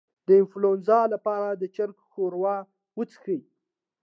د انفلونزا لپاره د چرګ ښوروا وڅښئ